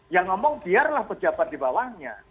yang ngomong biarlah pejabat di bawahnya